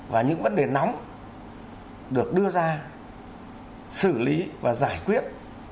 và những vấn đề nóng được đưa ra xử lý và giải quyết